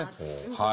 はい。